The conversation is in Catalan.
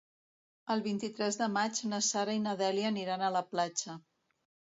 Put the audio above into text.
El vint-i-tres de maig na Sara i na Dèlia aniran a la platja.